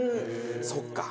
そっか。